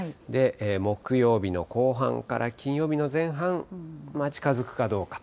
木曜日の後半から金曜日の前半、近づくかどうかと。